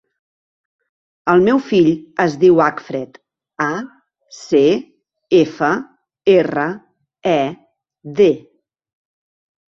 El meu fill es diu Acfred: a, ce, efa, erra, e, de.